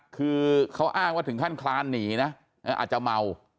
คือเขาอ้างว่าถึงขั้นคลานหนีนะอาจจะเมา